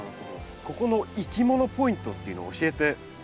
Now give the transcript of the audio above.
ここのいきものポイントっていうのを教えてもらえますか？